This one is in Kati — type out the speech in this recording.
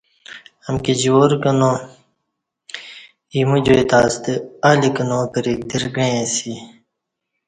امکی جوار کنا، ا یمو جائی تہ ستہ الی کنا پرِیک درگݩعی اسی